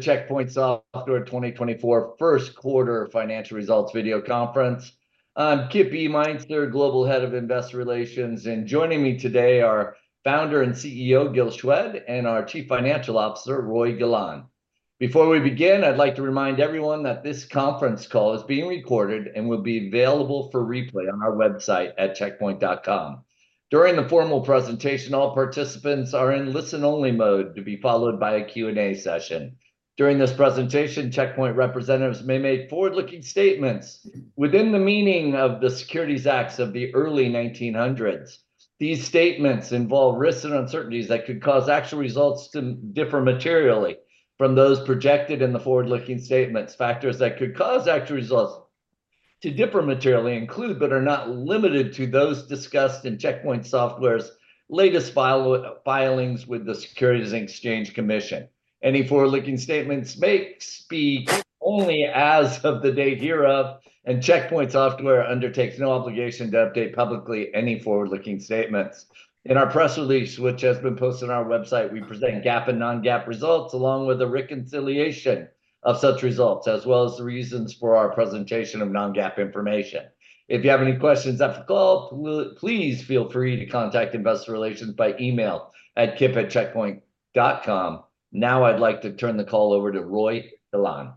Check Point Software 2024 first quarter financial results video conference. I'm Kip Meintzer, Global Head of Investor Relations, and joining me today are Founder and CEO Gil Shwed and our Chief Financial Officer Roei Golan. Before we begin, I'd like to remind everyone that this conference call is being recorded and will be available for replay on our website at checkpoint.com. During the formal presentation, all participants are in listen-only mode to be followed by a Q&A session. During this presentation, Check Point representatives may make forward-looking statements within the meaning of the Securities Acts of the early 1900s. These statements involve risks and uncertainties that could cause actual results to differ materially from those projected in the forward-looking statements. Factors that could cause actual results to differ materially include, but are not limited to, those discussed in Check Point Software's latest filings with the Securities and Exchange Commission. Any forward-looking statements may speak only as of the date hereof, and Check Point Software undertakes no obligation to update publicly any forward-looking statements. In our press release, which has been posted on our website, we present GAAP and non-GAAP results along with a reconciliation of such results, as well as the reasons for our presentation of non-GAAP information. If you have any questions after the call, please feel free to contact Investor Relations by email at kip@checkpoint.com. Now I'd like to turn the call over to Roei Golan.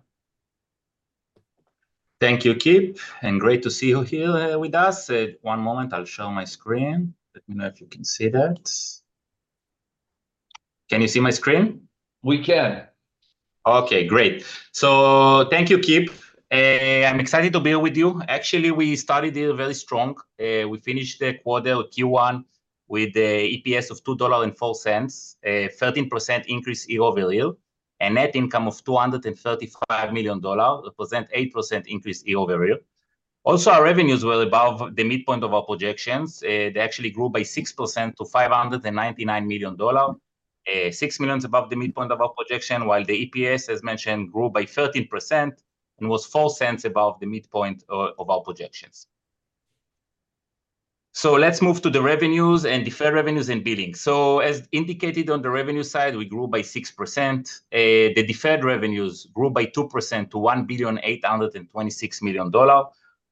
Thank you, Kip, and great to see you here with us. One moment, I'll share my screen. Let me know if you can see that. Can you see my screen? We can. Okay, great. So thank you, Kip. I'm excited to be with you. Actually, we started the year very strong. We finished the quarter, Q1, with an EPS of $2.04, a 13% increase year-over-year, and net income of $235 million, representing an 8% increase year-over-year. Also, our revenues were above the midpoint of our projections. They actually grew by 6% to $599 million, $6 million above the midpoint of our projection, while the EPS, as mentioned, grew by 13% and was $0.04 above the midpoint of our projections. So let's move to the revenues and deferred revenues and billing. So as indicated on the revenue side, we grew by 6%. The deferred revenues grew by 2% to $1,826 million,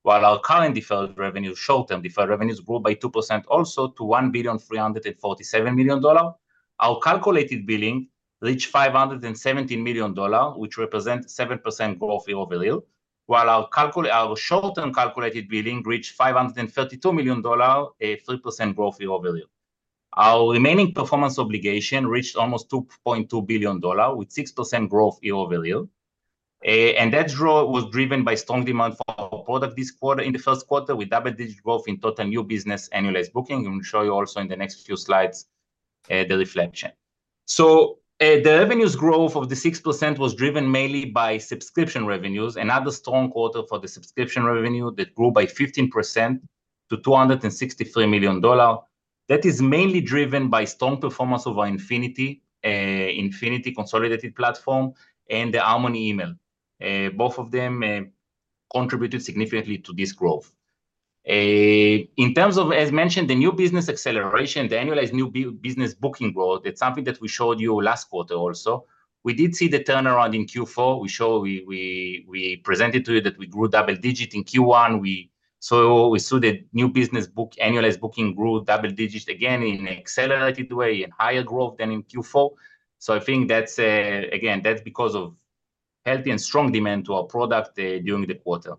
while our current deferred revenues, short-term deferred revenues, grew by 2% also to $1,347 million. Our calculated billing reached $517 million, which represents a 7% growth year-over-year, while our short-term calculated billing reached $532 million, a 3% growth year-over-year. Our remaining performance obligation reached almost $2.2 billion with 6% growth year-over-year. That growth was driven by strong demand for our product this quarter. In the first quarter, we double-digit growth in total new business annualized booking. I'm going to show you also in the next few slides the reflection. The revenues growth of the 6% was driven mainly by subscription revenues. Another strong quarter for the subscription revenue that grew by 15% to $263 million. That is mainly driven by strong performance of our Infinity consolidated platform and the Harmony Email. Both of them contributed significantly to this growth. In terms of, as mentioned, the new business acceleration, the annualized new business booking growth, that's something that we showed you last quarter also. We did see the turnaround in Q4. We presented to you that we grew double-digit in Q1. So we saw the new business annualized booking grew double-digit again in an accelerated way and higher growth than in Q4. So I think, again, that's because of healthy and strong demand to our product during the quarter.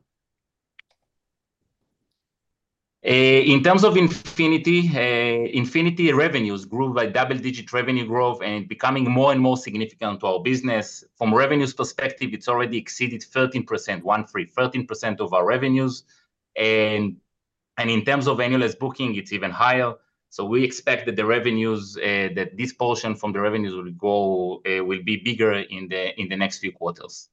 In terms of Infinity, Infinity revenues grew by double-digit revenue growth and becoming more and more significant to our business. From revenues perspective, it's already exceeded 13%, 1.3%, 13% of our revenues. And in terms of annualized booking, it's even higher. So we expect that this portion from the revenues will be bigger in the next few quarters.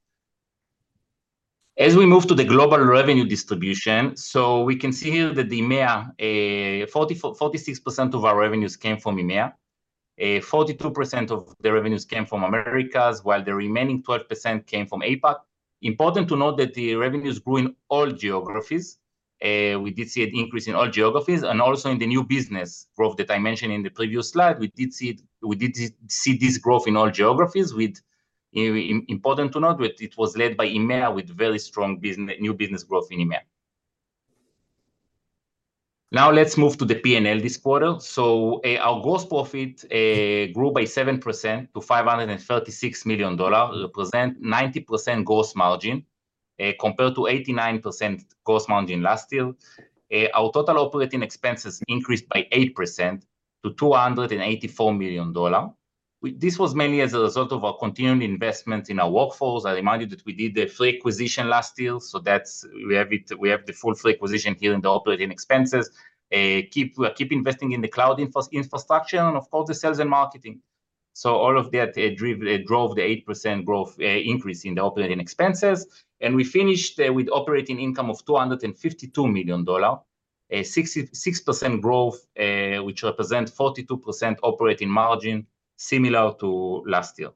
As we move to the global revenue distribution, so we can see here that 46% of our revenues came from EMEA. 42% of the revenues came from Americas, while the remaining 12% came from APAC. Important to note that the revenues grew in all geographies. We did see an increase in all geographies. Also in the new business growth that I mentioned in the previous slide, we did see this growth in all geographies. Important to note that it was led by EMEA with very strong new business growth in EMEA. Now let's move to the P&L this quarter. Our gross profit grew by 7% to $536 million, representing a 90% gross margin compared to 89% gross margin last year. Our total operating expenses increased by 8% to $284 million. This was mainly as a result of our continuing investments in our workforce. I remind you that we did the Perimeter acquisition last year. So we have the full Perimeter acquisition here in the operating expenses. We keep investing in the cloud infrastructure and, of course, the sales and marketing. So all of that drove the 8% growth increase in the operating expenses. We finished with operating income of $252 million, a 6% growth, which represents a 42% operating margin, similar to last year.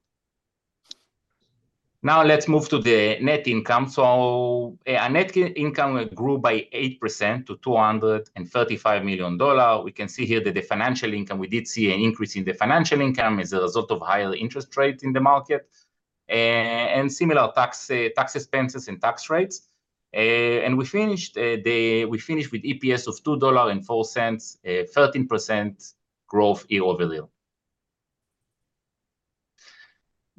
Now let's move to the net income. Our net income grew by 8% to $235 million. We can see here that the financial income we did see an increase in the financial income as a result of higher interest rates in the market and similar tax expenses and tax rates. We finished with an EPS of $2.04, a 13% growth year-over-year.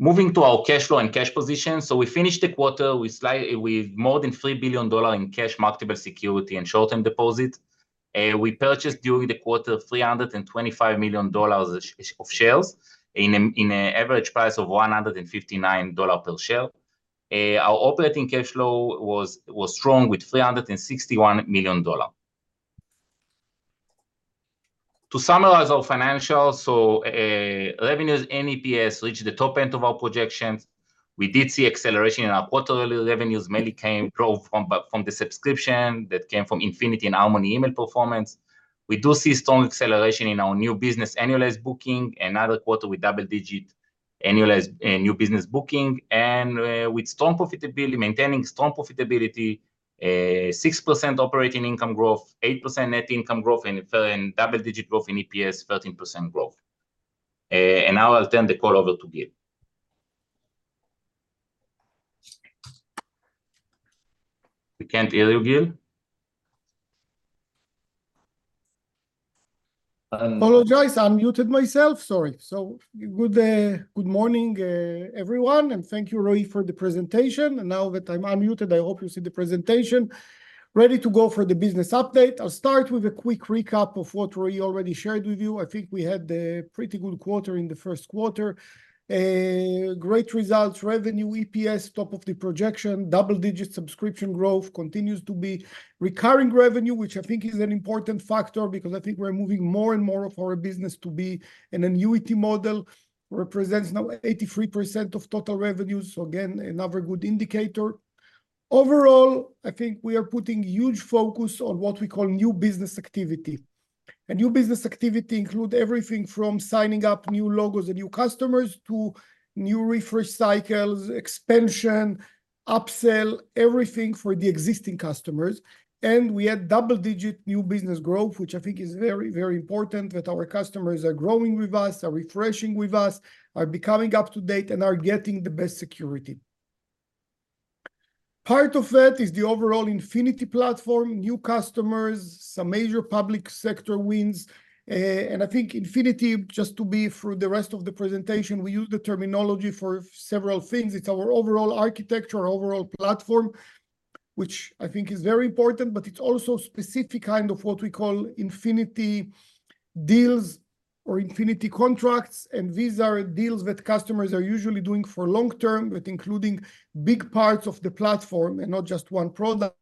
Moving to our cash flow and cash position. So we finished the quarter with more than $3 billion in cash, marketable securities and short-term deposits. We purchased during the quarter $325 million of shares at an average price of $159 per share. Our operating cash flow was strong with $361 million. To summarize our financials, so revenues and EPS reached the top end of our projections. We did see acceleration in our quarterly revenues. Mainly came growth from the subscription that came from Infinity and Harmony email performance. We do see strong acceleration in our new business annualized booking. Another quarter with double-digit annualized new business booking and with strong profitability, maintaining strong profitability, 6% operating income growth, 8% net income growth, and double-digit growth in EPS, 13% growth. And now I'll turn the call over to Gil. We can't hear you, Gil. Apologize. I muted myself. Sorry. Good morning, everyone. Thank you, Roei, for the presentation. Now that I'm unmuted, I hope you see the presentation. Ready to go for the business update. I'll start with a quick recap of what Roei already shared with you. I think we had a pretty good quarter in the first quarter. Great results, revenue, EPS, top of the projection, double-digit subscription growth continues to be. Recurring revenue, which I think is an important factor because I think we're moving more and more of our business to be an annuity model, represents now 83% of total revenues. Again, another good indicator. Overall, I think we are putting huge focus on what we call new business activity. New business activity includes everything from signing up new logos and new customers to new refresh cycles, expansion, upsell, everything for the existing customers. We had double-digit new business growth, which I think is very, very important that our customers are growing with us, are refreshing with us, are becoming up to date, and are getting the best security. Part of that is the overall Infinity platform, new customers, some major public sector wins. I think Infinity, just to be through the rest of the presentation, we use the terminology for several things. It's our overall architecture, our overall platform, which I think is very important, but it's also a specific kind of what we call Infinity deals or Infinity contracts. These are deals that customers are usually doing for long-term, including big parts of the platform and not just one product.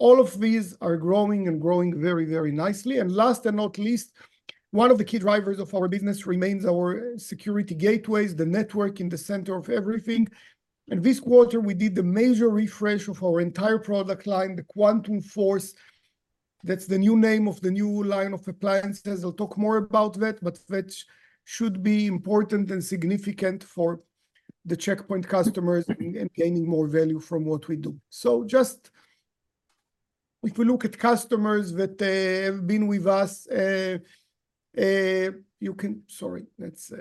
All of these are growing and growing very, very nicely. And last but not least, one of the key drivers of our business remains our security gateways, the network in the center of everything. And this quarter, we did the major refresh of our entire product line, the Quantum Force. That's the new name of the new line of appliances. I'll talk more about that, but that should be important and significant for the Check Point customers and gaining more value from what we do. So just if we look at customers that have been with us—sorry, let's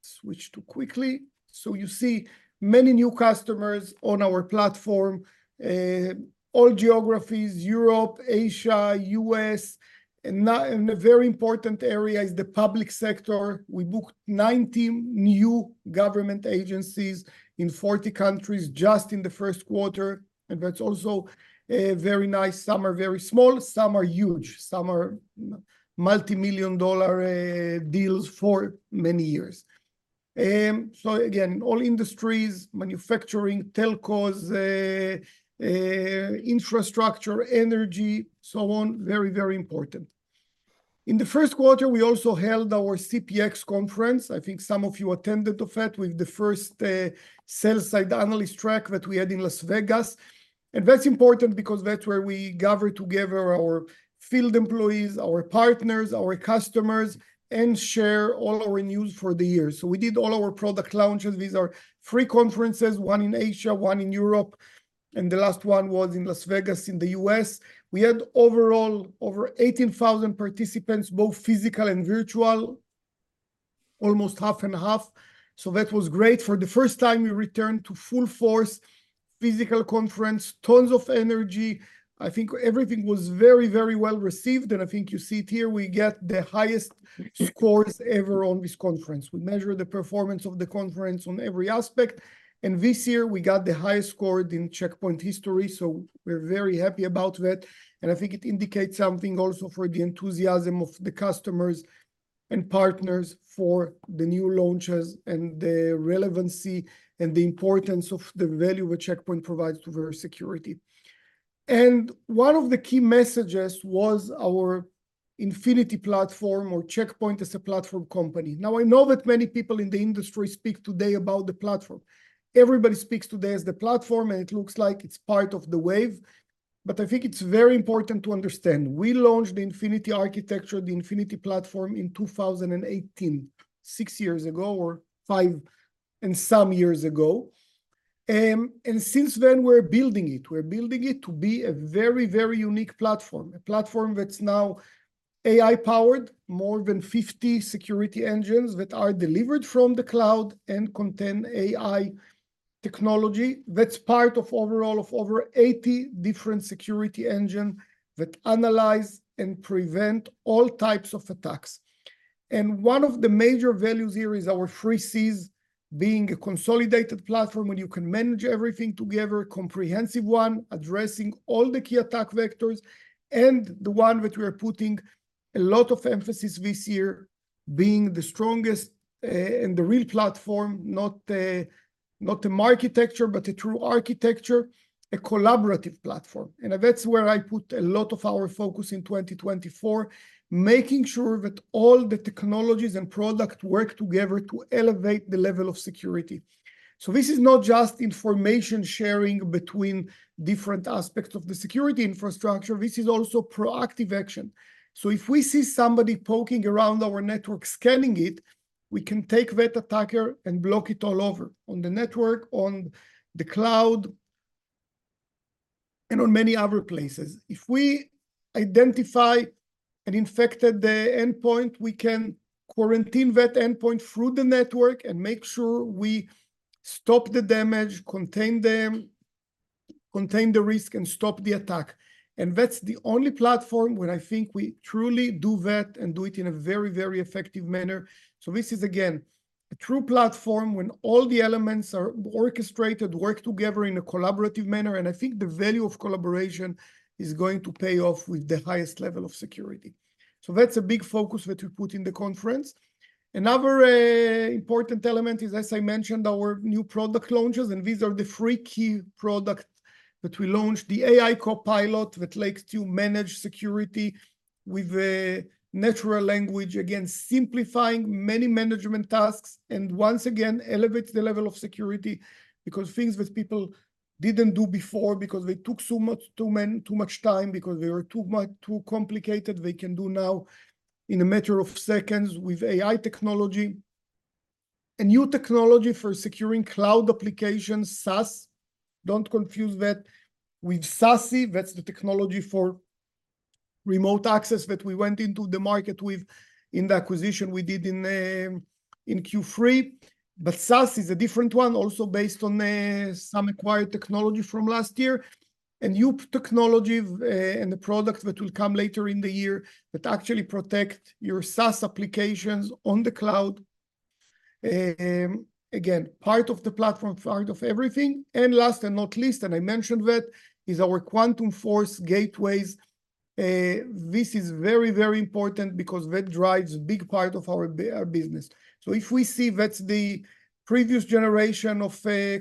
switch to it quickly. So you see many new customers on our platform, all geographies, Europe, Asia, US. And a very important area is the public sector. We booked 19 new government agencies in 40 countries just in the first quarter. And that's also a very nice—some very small, some huge, some multimillion-dollar deals for many years. So, again, all industries, manufacturing, telcos, infrastructure, energy, so on, very, very important. In the first quarter, we also held our CPX conference. I think some of you attended that with the first sell-side analyst track that we had in Las Vegas. And that's important because that's where we gather together our field employees, our partners, our customers, and share all our news for the year. So we did all our product launches. These are free conferences, one in Asia, one in Europe. And the last one was in Las Vegas, in the US. We had overall over 18,000 participants, both physical and virtual, almost half and half. So that was great. For the first time, we returned to full force, physical conference, tons of energy. I think everything was very, very well received. And I think you see it here. We get the highest scores ever on this conference. We measure the performance of the conference on every aspect. This year, we got the highest score in Check Point history. We're very happy about that. I think it indicates something also for the enthusiasm of the customers and partners for the new launches and the relevancy and the importance of the value that Check Point provides to their security. One of the key messages was our Infinity platform or Check Point as a platform company. Now, I know that many people in the industry speak today about the platform. Everybody speaks today about the platform, and it looks like it's part of the wave. I think it's very important to understand. We launched the Infinity architecture, the Infinity platform in 2018, 6 years ago or 5 and some years ago. And since then, we're building it. We're building it to be a very, very unique platform, a platform that's now AI-powered, more than 50 security engines that are delivered from the cloud and contain AI technology that's part of overall of over 80 different security engines that analyze and prevent all types of attacks. And one of the major values here is our 3 Cs, being a consolidated platform where you can manage everything together, a comprehensive one, addressing all the key attack vectors. And the one that we are putting a lot of emphasis this year being the strongest and the real platform, not the architecture, but a true architecture, a collaborative platform. And that's where I put a lot of our focus in 2024, making sure that all the technologies and products work together to elevate the level of security. So this is not just information sharing between different aspects of the security infrastructure. This is also proactive action. So if we see somebody poking around our network, scanning it, we can take that attacker and block it all over on the network, on the cloud, and on many other places. If we identify an infected endpoint, we can quarantine that endpoint through the network and make sure we stop the damage, contain them, contain the risk, and stop the attack. And that's the only platform where I think we truly do that and do it in a very, very effective manner. So this is, again, a true platform when all the elements are orchestrated, work together in a collaborative manner. And I think the value of collaboration is going to pay off with the highest level of security. So that's a big focus that we put in the conference. Another important element is, as I mentioned, our new product launches. And these are the three key products that we launched, the AI Copilot that lets you manage security with natural language, again, simplifying many management tasks and, once again, elevate the level of security because things that people didn't do before because they took too much time, because they were too complicated, they can do now in a matter of seconds with AI technology. A new technology for securing cloud applications, SaaS. Don't confuse that with SASE. That's the technology for remote access that we went into the market with in the acquisition we did in Q3. But SaaS is a different one, also based on some acquired technology from last year. And Quantum technology and the products that will come later in the year that actually protect your SaaS applications on the cloud. Again, part of the platform, part of everything. And last and not least, and I mentioned that, is our Quantum Force gateways. This is very, very important because that drives a big part of our business. So if we see that's the previous generation of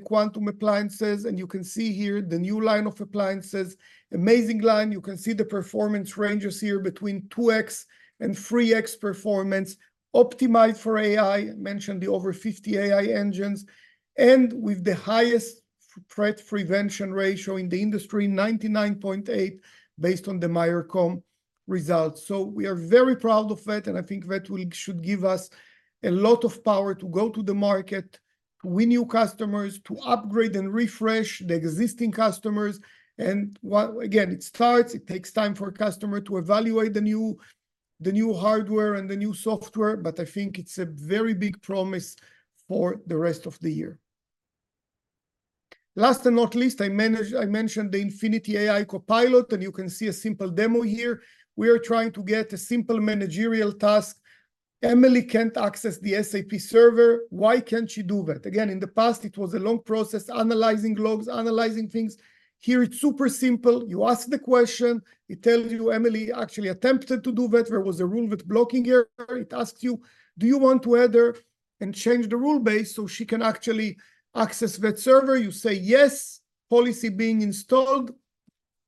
Quantum appliances. And you can see here the new line of appliances, amazing line. You can see the performance ranges here between 2x and 3x performance, optimized for AI, mentioned the over 50 AI engines, and with the highest threat prevention ratio in the industry, 99.8%, based on the Miercom results. So we are very proud of that. And I think that should give us a lot of power to go to the market, win new customers, to upgrade and refresh the existing customers. And again, it starts. It takes time for a customer to evaluate the new hardware and the new software. But I think it's a very big promise for the rest of the year. Last and not least, I mentioned the Infinity AI Copilot. You can see a simple demo here. We are trying to get a simple managerial task. Emily can't access the SAP server. Why can't she do that? Again, in the past, it was a long process, analyzing logs, analyzing things. Here, it's super simple. You ask the question. It tells you, Emily, actually attempted to do that. There was a rule that's blocking her. It asks you, do you want to enter and change the rule base so she can actually access that server? You say yes. Policy being installed.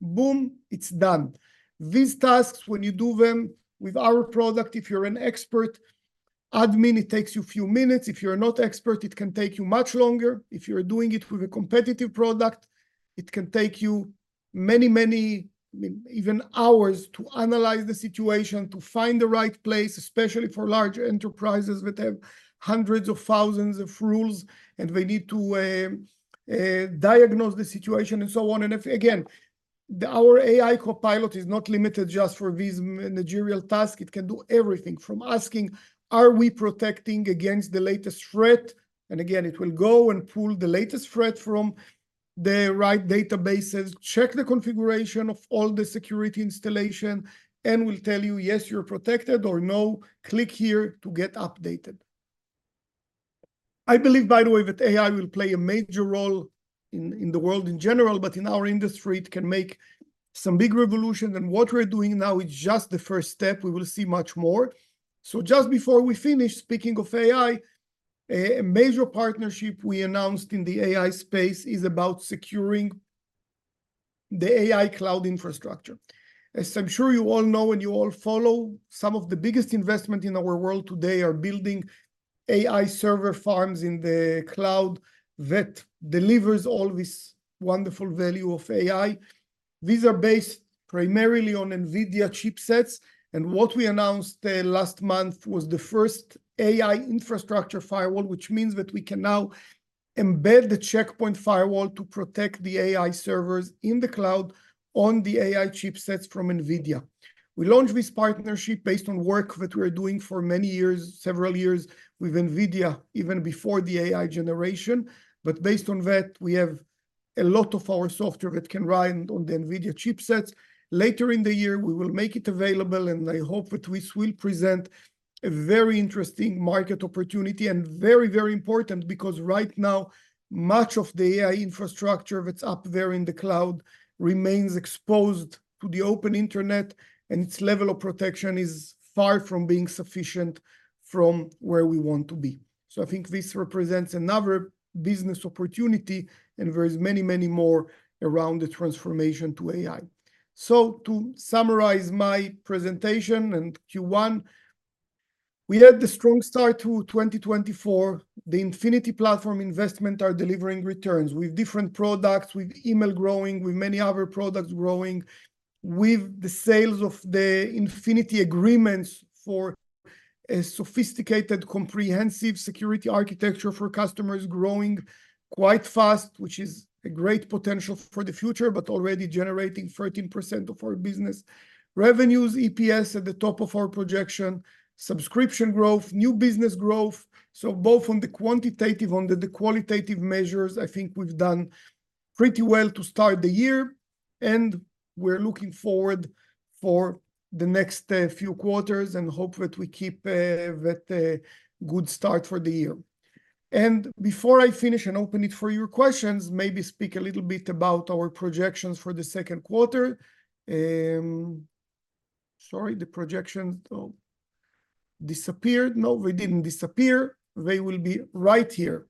Boom. It's done. These tasks, when you do them with our product, if you're an expert admin, it takes you a few minutes. If you're not an expert, it can take you much longer. If you're doing it with a competitive product, it can take you many, many, even hours to analyze the situation, to find the right place, especially for large enterprises that have hundreds of thousands of rules, and they need to diagnose the situation, and so on. Again, our AI Copilot is not limited just for these managerial tasks. It can do everything from asking, are we protecting against the latest threat? Again, it will go and pull the latest threat from the right databases, check the configuration of all the security installation, and will tell you, yes, you're protected or no, click here to get updated. I believe, by the way, that AI will play a major role in the world in general, but in our industry, it can make some big revolutions. What we're doing now is just the first step. We will see much more. So just before we finish, speaking of AI, a major partnership we announced in the AI space is about securing the AI cloud infrastructure. As I'm sure you all know and you all follow, some of the biggest investments in our world today are building AI server farms in the cloud that delivers all this wonderful value of AI. These are based primarily on NVIDIA chipsets. And what we announced last month was the first AI infrastructure firewall, which means that we can now embed the Check Point firewall to protect the AI servers in the cloud on the AI chipsets from NVIDIA. We launched this partnership based on work that we are doing for many years, several years with NVIDIA, even before the AI generation. But based on that, we have a lot of our software that can run on the NVIDIA chipsets. Later in the year, we will make it available. I hope that we will present a very interesting market opportunity and very, very important, because right now, much of the AI infrastructure that's up there in the cloud remains exposed to the open Internet, and its level of protection is far from being sufficient from where we want to be. I think this represents another business opportunity. There are many, many more around the transformation to AI. To summarize my presentation and Q1, we had the strong start to 2024. The Infinity platform investment is delivering returns with different products, with email growing, with many other products growing, with the sales of the Infinity agreements for a sophisticated, comprehensive security architecture for customers growing quite fast, which is a great potential for the future, but already generating 13% of our business revenues, EPS at the top of our projection, subscription growth, new business growth. So both on the quantitative and the qualitative measures, I think we've done pretty well to start the year. And we're looking forward to the next few quarters and hope that we keep that good start for the year. And before I finish and open it for your questions, maybe speak a little bit about our projections for the second quarter. Sorry, the projections disappeared. No, they didn't disappear. They will be right here.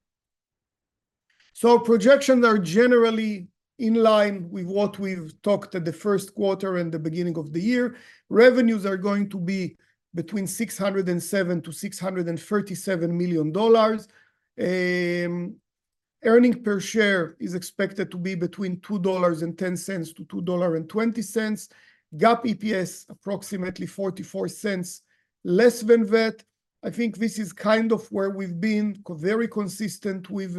So projections are generally in line with what we've talked about in the first quarter and the beginning of the year. Revenues are going to be between $607-$637 million. Earnings per share is expected to be between $2.10-$2.20. GAAP EPS approximately $0.44 less than that. I think this is kind of where we've been very consistent with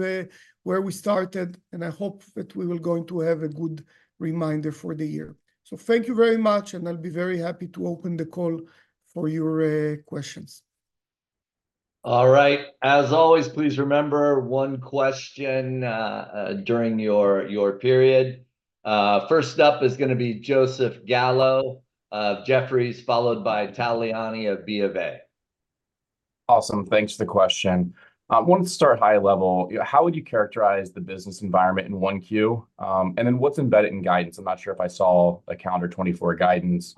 where we started. And I hope that we will go on to have a good remainder for the year. So thank you very much. And I'll be very happy to open the call for your questions. All right. As always, please remember one question during your period. First up is going to be Joseph Gallo of Jefferies, followed by Tal Liani of B of A. Awesome. Thanks for the question. I wanted to start high level. How would you characterize the business environment in one Q? And then what's embedded in guidance? I'm not sure if I saw a calendar 2024 guidance.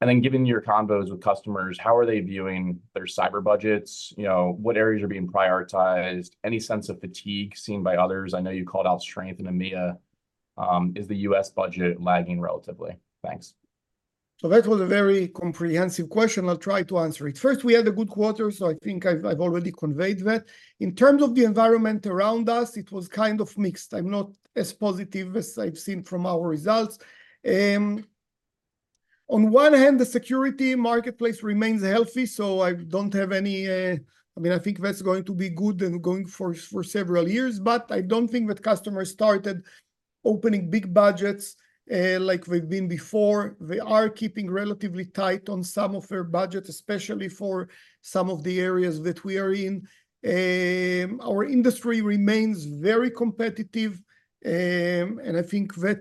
And then, given your convos with customers, how are they viewing their cyber budgets? What areas are being prioritized? Any sense of fatigue seen by others? I know you called out strength in EMEA. Is the U.S. budget lagging relatively? Thanks. So that was a very comprehensive question. I'll try to answer it. First, we had a good quarter. So I think I've already conveyed that in terms of the environment around us. It was kind of mixed. I'm not as positive as I've seen from our results. On one hand, the security marketplace remains healthy. So I don't have any. I mean, I think that's going to be good and going for several years. But I don't think that customers started opening big budgets like we've been before. They are keeping relatively tight on some of their budgets, especially for some of the areas that we are in. Our industry remains very competitive. And I think that,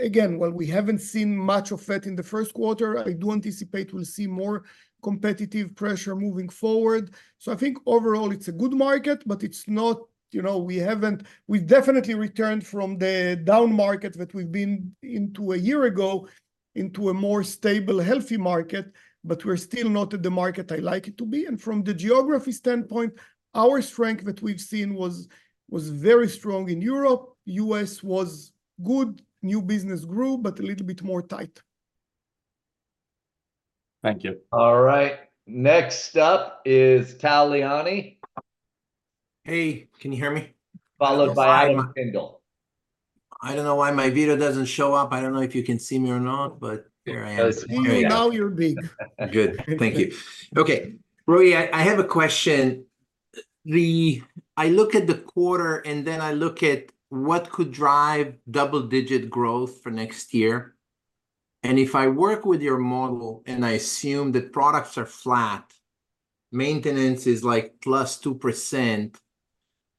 again, well, we haven't seen much of that in the first quarter. I do anticipate we'll see more competitive pressure moving forward. So I think overall, it's a good market, but it's not, you know, we haven't. We've definitely returned from the down market that we've been in to a year ago, into a more stable, healthy market. But we're still not at the market I like it to be. And from the geography standpoint, our strength that we've seen was very strong in Europe. US was good. New business grew, but a little bit more tight. Thank you. All right. Next up is Tal Liani. Hey, can you hear me? Followed by Kendall. I don't know why my video doesn't show up. I don't know if you can see me or not, but here I am. Now you're big. Good. Thank you. Okay, Roei, I have a question. I look at the quarter, and then I look at what could drive double-digit growth for next year. And if I work with your model, and I assume that products are flat, maintenance is like +2%,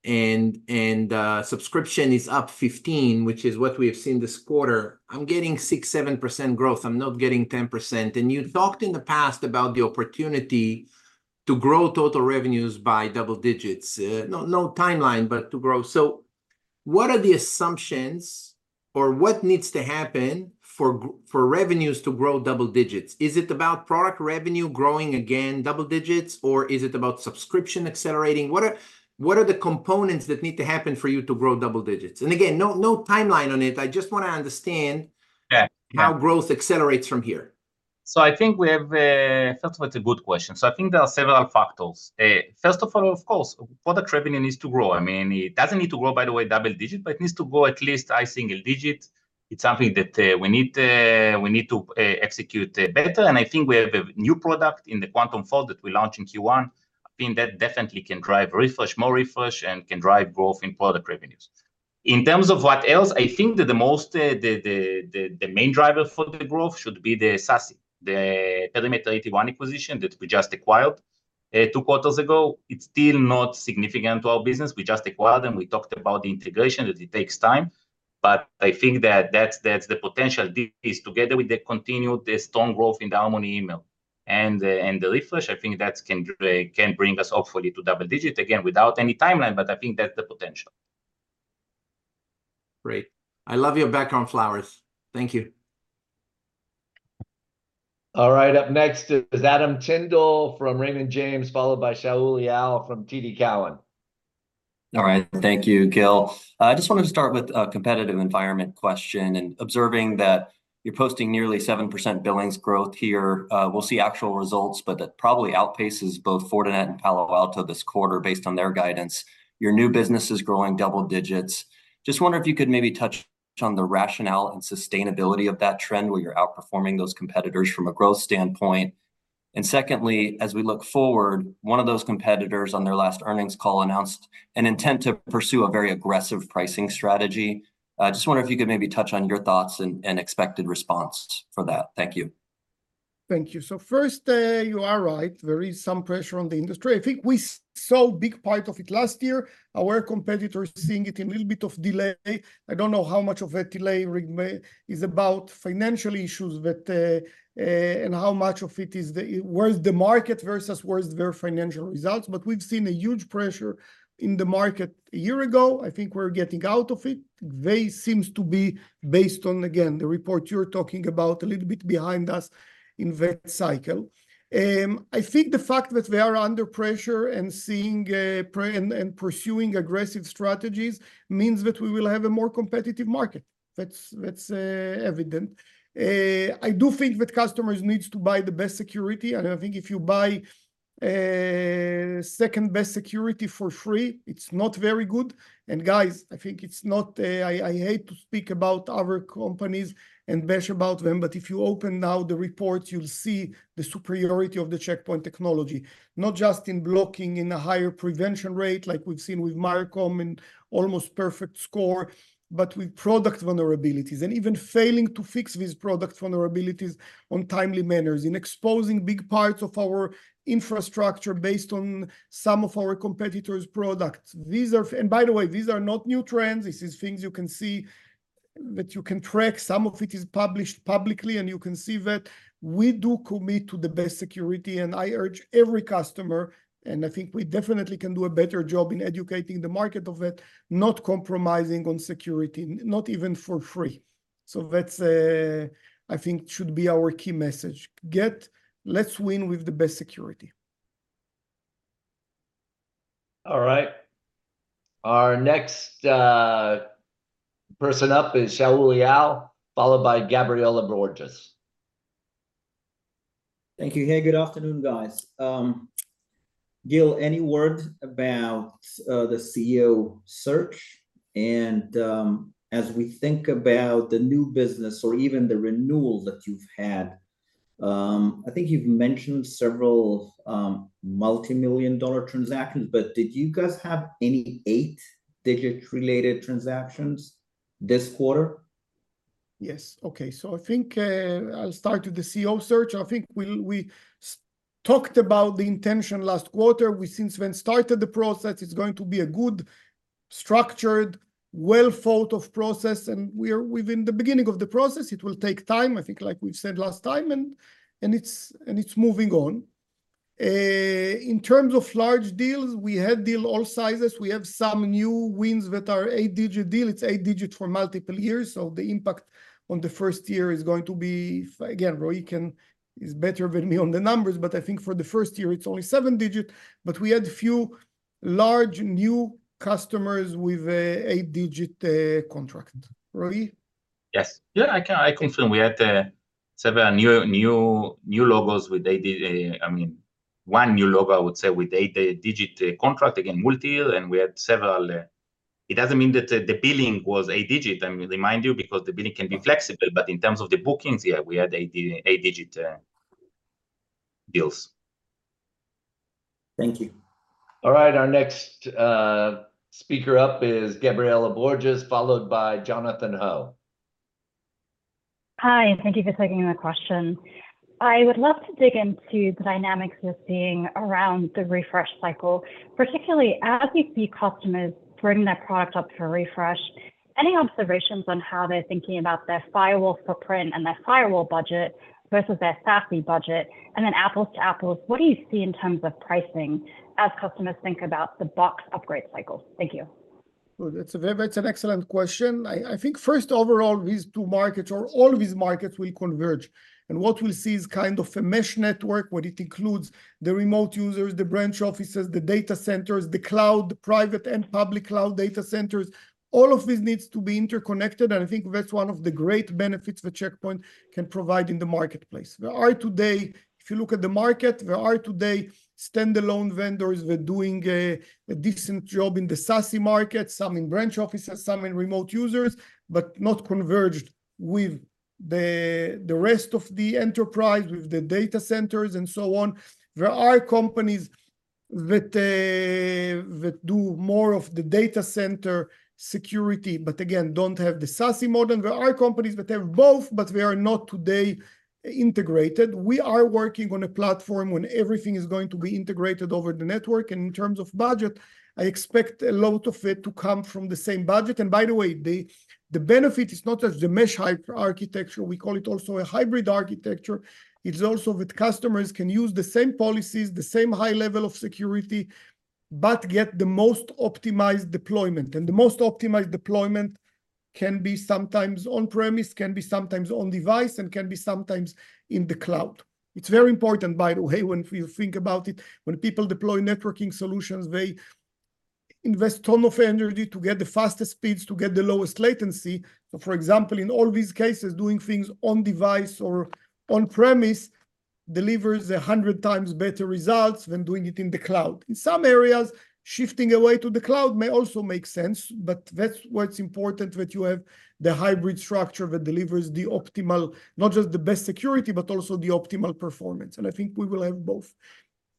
and subscription is up 15%, which is what we have seen this quarter, I'm getting 6%, 7% growth. I'm not getting 10%. And you talked in the past about the opportunity to grow total revenues by double digits. No timeline, but to grow. So what are the assumptions, or what needs to happen for revenues to grow double digits? Is it about product revenue growing again, double digits, or is it about subscription accelerating? What are the components that need to happen for you to grow double digits? And again, no timeline on it. I just want to understand how growth accelerates from here. So I think we have, first of all, it's a good question. I think there are several factors. First of all, of course, product revenue needs to grow. I mean, it doesn't need to grow, by the way, double digit, but it needs to grow at least, I think, a single digit. It's something that we need to execute better. I think we have a new product in the Quantum Force that we launch in Q1. I think that definitely can drive refresh, more refresh, and can drive growth in product revenues. In terms of what else, I think that the main driver for the growth should be the SASE, the Perimeter 81 acquisition that we just acquired 2 quarters ago. It's still not significant to our business. We just acquired them. We talked about the integration that it takes time. But I think that that's the potential. This is together with the continued strong growth in the Harmony email and the refresh. I think that can bring us, hopefully, to double digit, again, without any timeline. But I think that's the potential. Great. I love your background flowers. Thank you. All right. Up next is Adam Tindle from Raymond James, followed by Shaul Eyal from TD Cowen. All right. Thank you, Gil. I just wanted to start with a competitive environment question. Observing that you're posting nearly 7% billings growth here, we'll see actual results, but that probably outpaces both Fortinet and Palo Alto this quarter, based on their guidance. Your new business is growing double digits. Just wonder if you could maybe touch on the rationale and sustainability of that trend where you're outperforming those competitors from a growth standpoint. Secondly, as we look forward, one of those competitors on their last earnings call announced an intent to pursue a very aggressive pricing strategy. I just wonder if you could maybe touch on your thoughts and expected response for that. Thank you. Thank you. So first, you are right. There is some pressure on the industry. I think we saw a big part of it last year. Our competitors are seeing it in a little bit of delay. I don't know how much of that delay is about financial issues and how much of it is worth the market versus worth their financial results. But we've seen a huge pressure in the market a year ago. I think we're getting out of it. They seem to be based on, again, the report you're talking about a little bit behind us in that cycle. I think the fact that they are under pressure and seeing and pursuing aggressive strategies means that we will have a more competitive market. That's evident. I do think that customers need to buy the best security. I think if you buy second-best security for free, it's not very good. Guys, I think it's not. I hate to speak about other companies and bash about them. But if you open now the reports, you'll see the superiority of the Check Point technology, not just in blocking in a higher prevention rate, like we've seen with Miercom and almost perfect score, but with product vulnerabilities, and even failing to fix these product vulnerabilities in a timely manner, in exposing big parts of our infrastructure based on some of our competitors' products. By the way, these are not new trends. These are things you can see that you can track. Some of it is published publicly, and you can see that we do commit to the best security. I urge every customer, and I think we definitely can do a better job in educating the market of it, not compromising on security, not even for free. That's, I think, should be our key message. Let's win with the best security. All right. Our next person up is Shaul Eyal, followed by Gabriela Borges. Thank you. Hey, good afternoon, guys. Gil, any word about the CEO search? And as we think about the new business or even the renewal that you've had, I think you've mentioned several multimillion-dollar transactions. But did you guys have any 8-digit-related transactions this quarter? Yes. Okay. So I think I'll start with the CEO search. I think we talked about the intention last quarter. Since we started the process, it's going to be a good, structured, well-thought-out process. And we're within the beginning of the process. It will take time, I think, like we've said last time. And it's moving on. In terms of large deals, we had deals all sizes. We have some new wins that are 8-digit deals. It's 8-digit for multiple years. So the impact on the first year is going to be, again, Roei is better than me on the numbers. But I think for the first year, it's only 7-digit. But we had a few large new customers with an 8-digit contract. Roei? Yes. Yeah, I can confirm. We had several new logos with dates. I mean, one new logo, I would say, with 8-digit contract, again, multi-year. And we had several. It doesn't mean that the billing was 8-digit. I mean, remind you, because the billing can be flexible. But in terms of the bookings, yeah, we had 8-digit deals. Thank you. All right. Our next speaker up is Gabriela Borges, followed by Jonathan Ho. Hi, and thank you for taking the question. I would love to dig into the dynamics you're seeing around the refresh cycle, particularly as we see customers bring their product up for refresh. Any observations on how they're thinking about their firewall footprint and their firewall budget versus their SASE budget? And then apples to apples, what do you see in terms of pricing as customers think about the box upgrade cycle? Thank you. That's an excellent question. I think, first, overall, these two markets, or all these markets, will converge. And what we'll see is kind of a mesh network where it includes the remote users, the branch offices, the data centers, the cloud, the private and public cloud data centers. All of this needs to be interconnected. And I think that's one of the great benefits that Check Point can provide in the marketplace. There are today, if you look at the market, there are today standalone vendors that are doing a decent job in the SASE market, some in branch offices, some in remote users, but not converged with the rest of the enterprise, with the data centers, and so on. There are companies that do more of the data center security, but again, don't have the SASE model. There are companies that have both, but they are not today integrated. We are working on a platform when everything is going to be integrated over the network. And in terms of budget, I expect a lot of it to come from the same budget. And by the way, the benefit is not just the mesh architecture. We call it also a hybrid architecture. It's also that customers can use the same policies, the same high level of security, but get the most optimized deployment. And the most optimized deployment can be sometimes on-premise, can be sometimes on-device, and can be sometimes in the cloud. It's very important, by the way, when you think about it, when people deploy networking solutions, they invest a ton of energy to get the fastest speeds, to get the lowest latency. So, for example, in all these cases, doing things on-device or on-premise delivers 100 times better results than doing it in the cloud. In some areas, shifting away to the cloud may also make sense. But that's what's important, that you have the hybrid structure that delivers the optimal, not just the best security, but also the optimal performance. And I think we will have both.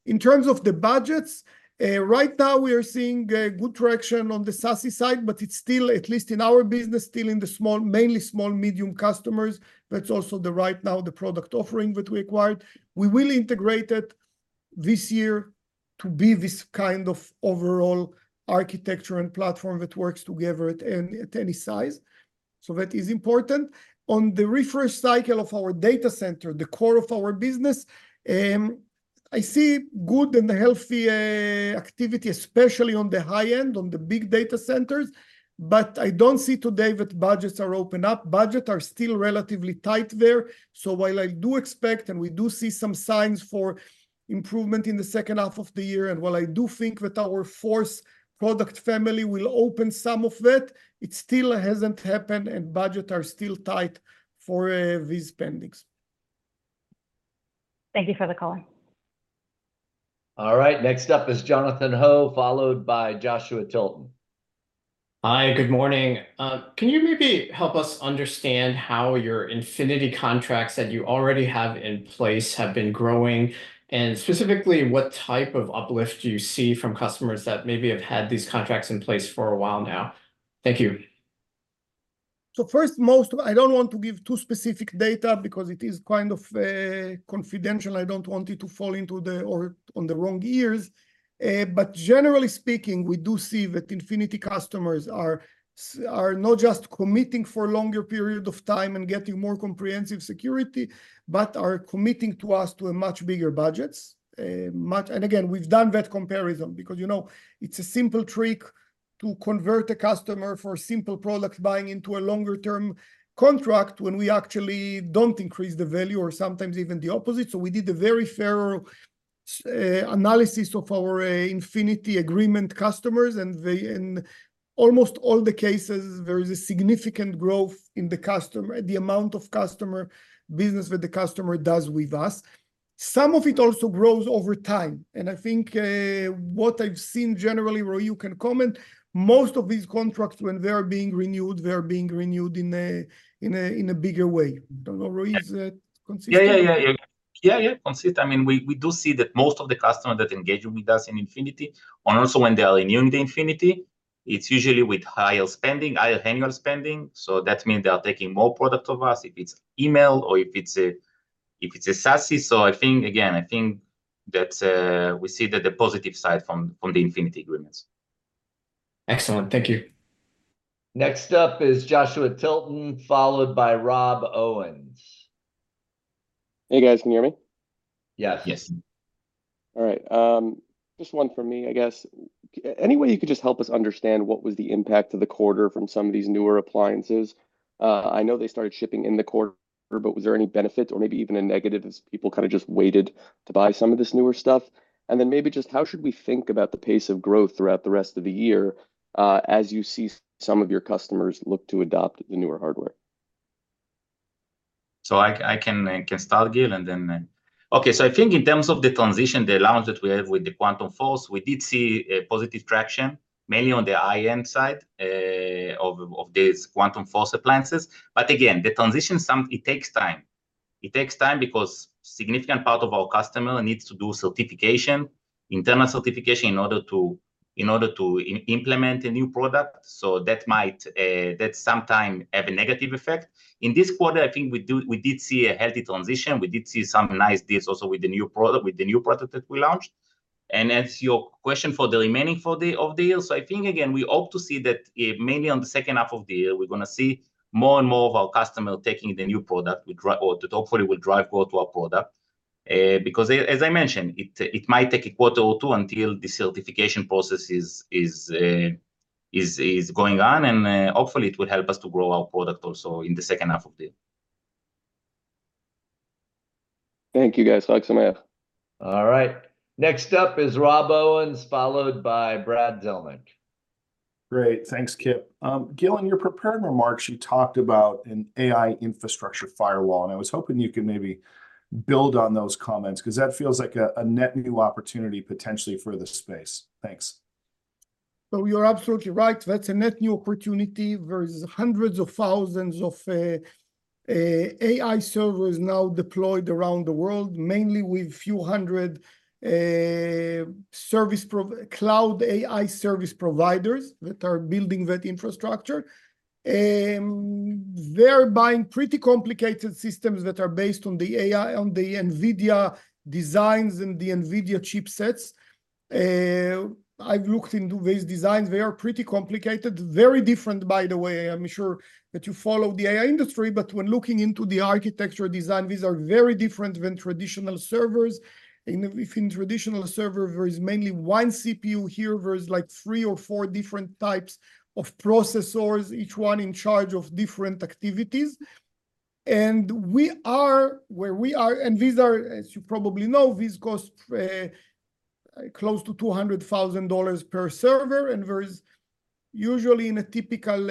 In terms of the budgets, right now, we are seeing good traction on the SASE side. But it's still, at least in our business, still in the small, mainly small, medium customers. That's also the right now, the product offering that we acquired. We will integrate it this year to be this kind of overall architecture and platform that works together at any size. So that is important. On the refresh cycle of our data center, the core of our business, I see good and healthy activity, especially on the high end, on the big data centers. But I don't see today that budgets are opened up. Budgets are still relatively tight there. So while I do expect, and we do see some signs for improvement in the second half of the year, and while I do think that our fourth product family will open some of that, it still hasn't happened. And budgets are still tight for these spendings. Thank you for the call. All right. Next up is Jonathan Ho, followed by Joshua Tilton. Hi, good morning. Can you maybe help us understand how your Infinity contracts that you already have in place have been growing? Specifically, what type of uplift do you see from customers that maybe have had these contracts in place for a while now? Thank you. So first, most, I don't want to give too specific data because it is kind of confidential. I don't want it to fall into the wrong ears. But generally speaking, we do see that Infinity customers are not just committing for a longer period of time and getting more comprehensive security, but are committing to us to a much bigger budget. And again, we've done that comparison because it's a simple trick to convert a customer for a simple product buying into a longer-term contract when we actually don't increase the value, or sometimes even the opposite. So we did a very thorough analysis of our Infinity agreement customers. And in almost all the cases, there is a significant growth in the customer, the amount of customer business that the customer does with us. Some of it also grows over time. I think what I've seen generally, Roei, you can comment, most of these contracts, when they are being renewed, they are being renewed in a bigger way. I don't know, Roei, is that considered? Yeah, yeah, yeah, yeah. Yeah, yeah, considered. I mean, we do see that most of the customers that engage with us in Infinity, and also when they are renewing the Infinity, it's usually with higher spending, higher annual spending. So that means they are taking more product of us, if it's email or if it's a SASE. So I think, again, I think that we see the positive side from the Infinity agreements. Excellent. Thank you. Next up is Joshua Tilton, followed by Rob Owens. Hey, guys. Can you hear me? Yes. Yes. All right. Just one for me, I guess. Any way you could just help us understand what was the impact of the quarter from some of these newer appliances? I know they started shipping in the quarter, but was there any benefit or maybe even a negative as people kind of just waited to buy some of this newer stuff? And then maybe just how should we think about the pace of growth throughout the rest of the year as you see some of your customers look to adopt the newer hardware? So I can start, Gil. And then, okay, so I think in terms of the transition, the allowance that we have with the Quantum Force, we did see positive traction, mainly on the high-end side of these Quantum Force appliances. But again, the transition, it takes time. It takes time because a significant part of our customer needs to do certification, internal certification, in order to implement a new product. So that might sometimes have a negative effect. In this quarter, I think we did see a healthy transition. We did see some nice deals also with the new product that we launched. As your question for the remaining of the year, so I think, again, we hope to see that mainly on the second half of the year, we're going to see more and more of our customers taking the new product that hopefully will drive growth to our product. Because, as I mentioned, it might take a quarter or two until the certification process is going on. Hopefully, it will help us to grow our product also in the second half of the year. Thank you, guys. Have a good day. All right. Next up is Rob Owens, followed by Brad Zelnik. Great. Thanks, Kip. Gil, in your prepared remarks, you talked about an AI infrastructure firewall. I was hoping you could maybe build on those comments because that feels like a net new opportunity, potentially, for the space. Thanks. Well, you're absolutely right. That's a net new opportunity. There are hundreds of thousands of AI servers now deployed around the world, mainly with a few hundred cloud AI service providers that are building that infrastructure. They're buying pretty complicated systems that are based on the NVIDIA designs and the NVIDIA chipsets. I've looked into these designs. They are pretty complicated, very different, by the way. I'm sure that you follow the AI industry. But when looking into the architecture design, these are very different than traditional servers. If in traditional servers, there is mainly one CPU here, there's like three or four different types of processors, each one in charge of different activities. And where we are, and these are, as you probably know, these cost close to $200,000 per server. And usually, in a typical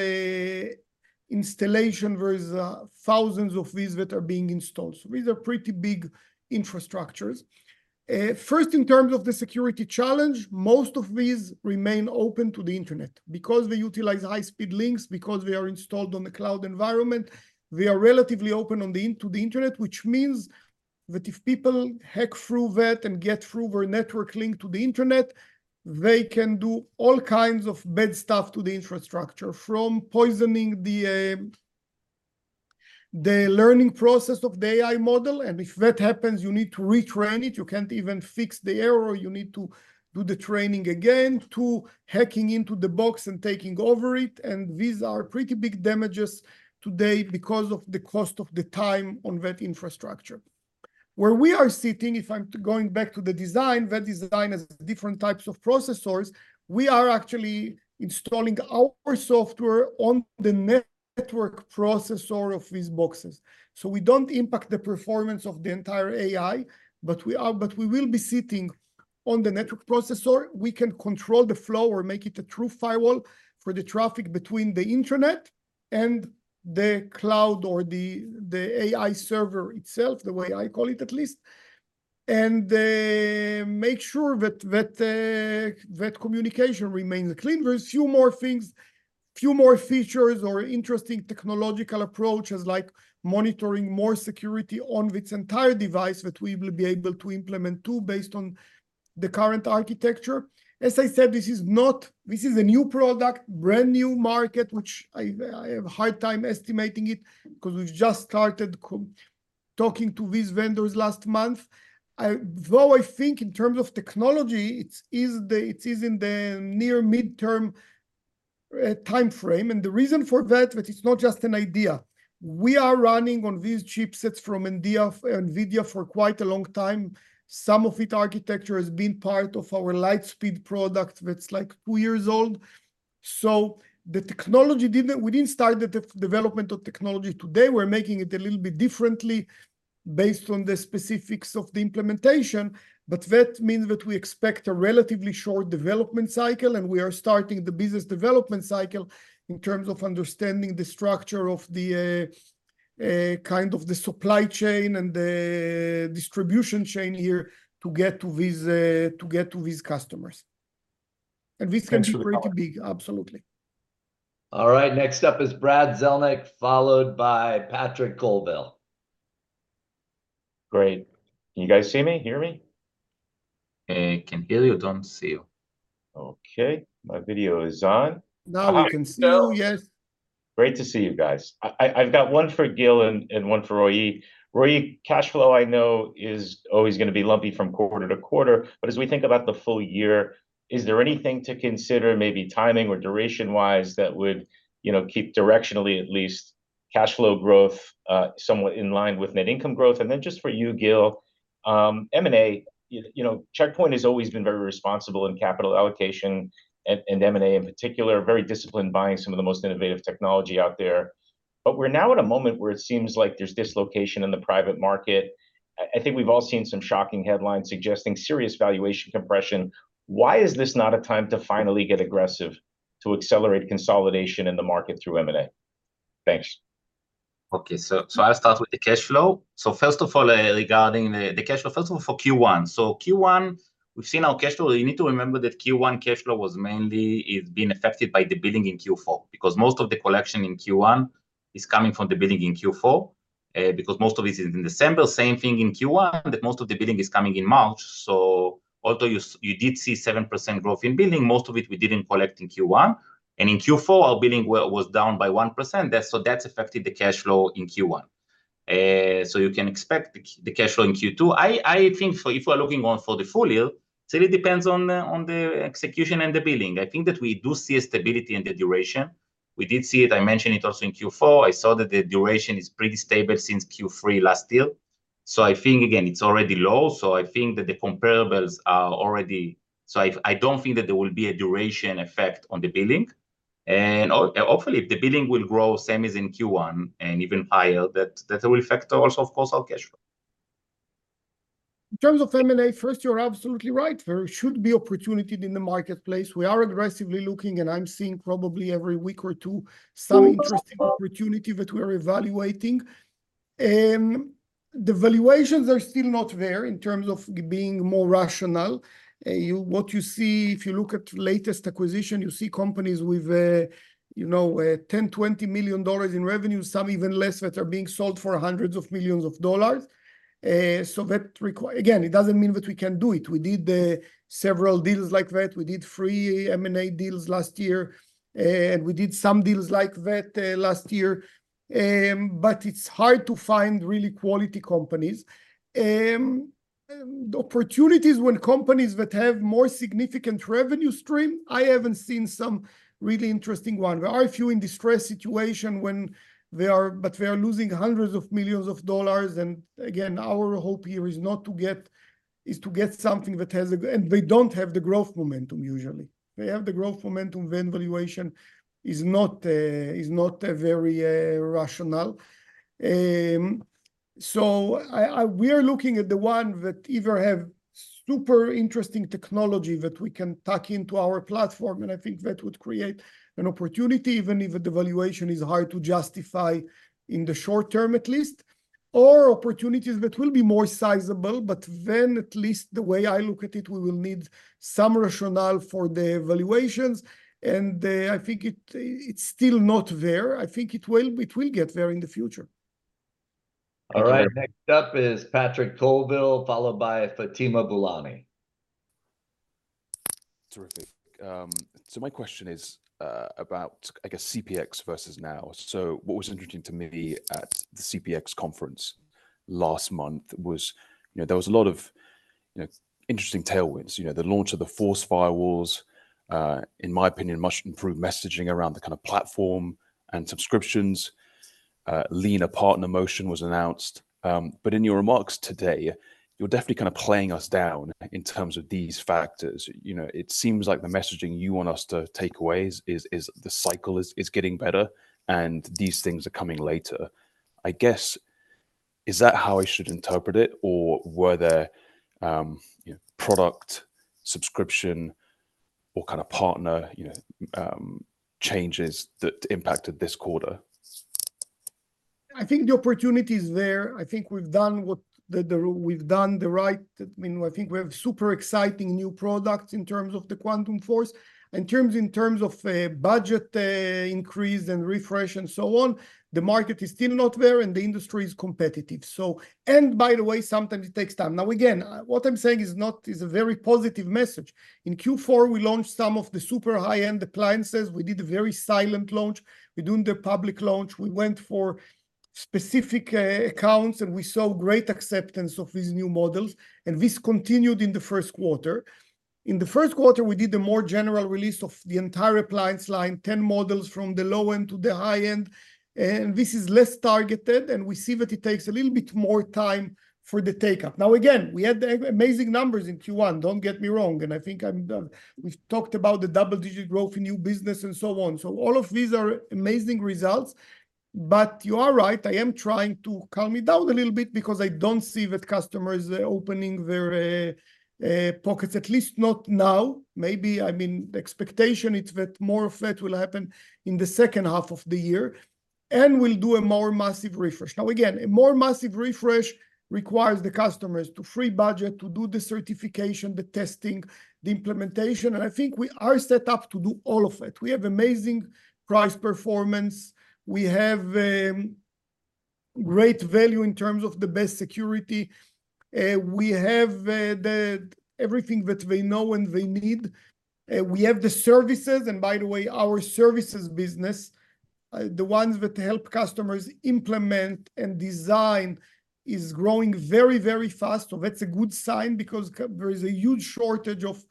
installation, there are thousands of these that are being installed. So these are pretty big infrastructures. First, in terms of the security challenge, most of these remain open to the internet because they utilize high-speed links, because they are installed on the cloud environment. They are relatively open to the internet, which means that if people hack through that and get through their network link to the internet, they can do all kinds of bad stuff to the infrastructure, from poisoning the learning process of the AI model, and if that happens, you need to retrain it. You can't even fix the error. You need to do the training again to hacking into the box and taking over it. And these are pretty big damages today because of the cost of the time on that infrastructure. Where we are sitting, if I'm going back to the design, that design has different types of processors. We are actually installing our software on the network processor of these boxes. So we don't impact the performance of the entire AI. But we will be sitting on the network processor. We can control the flow or make it a true firewall for the traffic between the internet and the cloud or the AI server itself, the way I call it, at least. And make sure that that communication remains clean. There are a few more things, a few more features or interesting technological approaches, like monitoring more security on its entire device that we will be able to implement too based on the current architecture. As I said, this is a new product, brand new market, which I have a hard time estimating because we've just started talking to these vendors last month. Though I think in terms of technology, it is in the near mid-term timeframe. And the reason for that, that it's not just an idea. We are running on these chipsets from NVIDIA for quite a long time. Some of its architecture has been part of our Lightspeed product that's like two years old. So we didn't start the development of technology today. We're making it a little bit differently based on the specifics of the implementation. But that means that we expect a relatively short development cycle. And we are starting the business development cycle in terms of understanding the structure of the kind of the supply chain and the distribution chain here to get to these customers. And this can be pretty big. Absolutely. All right. Next up is Brad Zelnick, followed by Patrick Colville. Great. Can you guys see me, hear me? I can hear you. I don't see you. Okay. My video is on. Now you can see me. Yes. Great to see you guys. I've got one for Gil and one for Roei. Roei, cash flow, I know, is always going to be lumpy from quarter to quarter. But as we think about the full year, is there anything to consider, maybe timing or duration-wise, that would keep directionally, at least, cash flow growth somewhat in line with net income growth? And then just for you, Gil, M&A, Check Point has always been very responsible in capital allocation, and M&A in particular, very disciplined buying some of the most innovative technology out there. But we're now at a moment where it seems like there's dislocation in the private market. I think we've all seen some shocking headlines suggesting serious valuation compression. Why is this not a time to finally get aggressive to accelerate consolidation in the market through M&A? Thanks. Okay. So I'll start with the cash flow. So first of all, regarding the cash flow, first of all, for Q1. So Q1, we've seen our cash flow. You need to remember that Q1 cash flow has been affected by the billing in Q4 because most of the collection in Q1 is coming from the billing in Q4. Because most of it is in December, same thing in Q1, that most of the billing is coming in March. So although you did see 7% growth in billing, most of it we didn't collect in Q1. And in Q4, our billing was down by 1%. So that's affected the cash flow in Q1. So you can expect the cash flow in Q2. I think if we're looking for the full year, it really depends on the execution and the billing. I think that we do see a stability in the duration. We did see it. I mentioned it also in Q4. I saw that the duration is pretty stable since Q3 last year. So I think, again, it's already low. So I think that the comparables are already so I don't think that there will be a duration effect on the billing. And hopefully, if the billing will grow, same as in Q1 and even higher, that will affect also, of course, our cash flow. In terms of M&A, first, you're absolutely right. There should be opportunity in the marketplace. We are aggressively looking. And I'm seeing probably every week or two some interesting opportunity that we are evaluating. The valuations are still not there in terms of being more rational. What you see, if you look at the latest acquisition, you see companies with $10 million, $20 million in revenue, some even less, that are being sold for hundreds of millions of dollars. So again, it doesn't mean that we can't do it. We did several deals like that. We did three M&A deals last year. And we did some deals like that last year. But it's hard to find really quality companies. Opportunities when companies that have more significant revenue stream, I haven't seen some really interesting one. There are a few in distressed situations when they are, but they are losing hundreds of millions of dollars. Again, our hope here is not to get, is to get something that has a, and they don't have the growth momentum, usually. They have the growth momentum when valuation is not very rational. So we are looking at the ones that either have super interesting technology that we can tuck into our platform. I think that would create an opportunity, even if the valuation is hard to justify in the short term, at least, or opportunities that will be more sizable. But then, at least, the way I look at it, we will need some rationale for the valuations. I think it's still not there. I think it will get there in the future. All right. Next up is Patrick Colville, followed by Fatima Boolani. Terrific. So my question is about, I guess, CPX versus now. So what was interesting to me at the CPX conference last month was there was a lot of interesting tailwinds. The launch of the Quantum Force firewalls, in my opinion, must improve messaging around the kind of platform and subscriptions. A new partner motion was announced. But in your remarks today, you're definitely kind of playing it down in terms of these factors. It seems like the messaging you want us to take away is the cycle is getting better, and these things are coming later. I guess, is that how I should interpret it? Or were there product, subscription, or kind of partner changes that impacted this quarter? I think the opportunity is there. I think we've done what we've done the right. I mean, I think we have super exciting new products in terms of the Quantum Force. In terms of budget increase and refresh and so on, the market is still not there. The industry is competitive. By the way, sometimes it takes time. Now, again, what I'm saying is not a very positive message. In Q4, we launched some of the super high-end appliances. We did a very silent launch. We didn't do a public launch. We went for specific accounts. We saw great acceptance of these new models. This continued in the first quarter. In the first quarter, we did a more general release of the entire appliance line, 10 models from the low end to the high end. This is less targeted. We see that it takes a little bit more time for the uptake. Now, again, we had the amazing numbers in Q1. Don't get me wrong. I think we've talked about the double-digit growth in new business and so on. So all of these are amazing results. But you are right. I am trying to calm me down a little bit because I don't see that customers are opening their pockets, at least not now. Maybe, I mean, the expectation is that more of that will happen in the second half of the year. We'll do a more massive refresh. Now, again, a more massive refresh requires the customers to free budget, to do the certification, the testing, the implementation. I think we are set up to do all of it. We have amazing price performance. We have great value in terms of the best security. We have everything that they know and they need. We have the services. And by the way, our services business, the ones that help customers implement and design, is growing very, very fast. So that's a good sign because there is a huge shortage of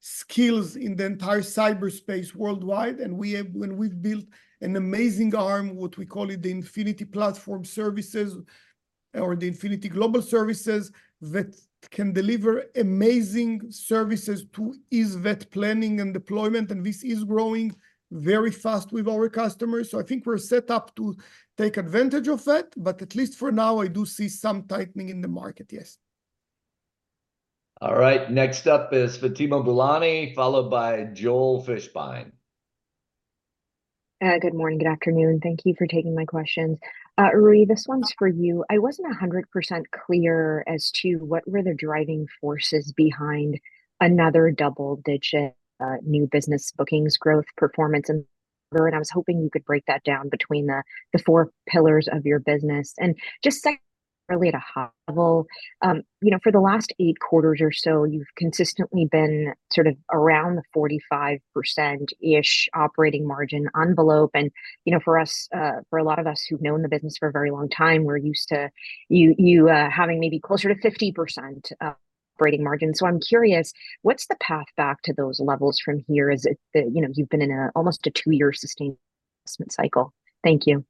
skills in the entire cyberspace worldwide. And we've built an amazing army, what we call it, the Infinity Platform Services or the Infinity Global Services that can deliver amazing services to ease that planning and deployment. And this is growing very fast with our customers. So I think we're set up to take advantage of that. But at least for now, I do see some tightening in the market. Yes. All right. Next up is Fatima Boolani, followed by Joel Fishbein. Good morning. Good afternoon. Thank you for taking my questions. Roei, this one's for you. I wasn't 100% clear as to what were the driving forces behind another double-digit new business bookings growth performance in order. And I was hoping you could break that down between the four pillars of your business. And just really at a high level, for the last 8 quarters or so, you've consistently been sort of around the 45%-ish operating margin envelope. And for a lot of us who've known the business for a very long time, we're used to having maybe closer to 50% operating margin. So I'm curious, what's the path back to those levels from here? You've been in almost a 2-year sustained investment cycle. Thank you.